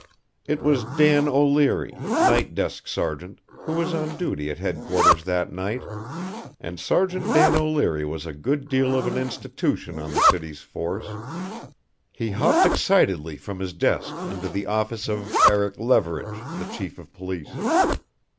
It was Dan O'Leary, night desk sergeant, who was on duty at headquarters that night, and Sergeant Dan O'Leary was a good deal of an institution on the city's force. He hopped excitedly from his desk into the office of Eric Leverage, the chief of police.